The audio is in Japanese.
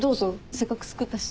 せっかく作ったし。